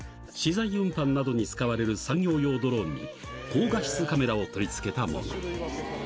資材運搬などに使われる産業用ドローンに、高画質カメラを取り付けたもの。